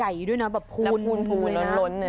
ใหญ่ด้วยนะแบบพูล้นเลย